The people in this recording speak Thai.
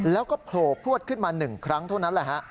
แล้วก็โผล่พลวดขึ้นมา๑ครั้งเท่านั้นแหละฮะ